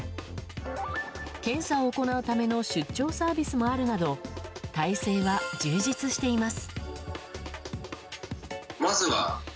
検査を行うための出張サービスもあるなど体制は充実しています。